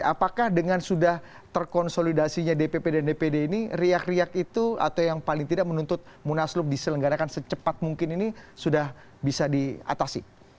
apakah dengan sudah terkonsolidasinya dpp dan dpd ini riak riak itu atau yang paling tidak menuntut munaslup diselenggarakan secepat mungkin ini sudah bisa diatasi